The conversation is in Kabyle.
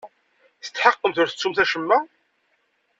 Tetḥeqqemt ur tettumt acemma?